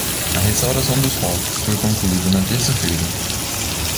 A restauração dos corpos foi concluída na terça-feira.